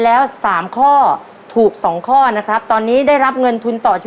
แล้วปัจจุบันใช้ซักเครื่องหรือซักมือกันครับซักเครื่องค่ะป้าจ๋า